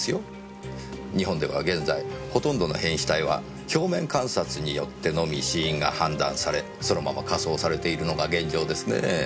日本では現在ほとんどの変死体は表面観察によってのみ死因が判断されそのまま火葬されているのが現状ですねぇ。